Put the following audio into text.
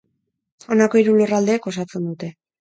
Honako hiru lurraldeek osatzen dute.